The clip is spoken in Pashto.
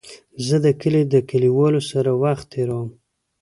زه د کلي د کليوالو سره وخت تېرووم.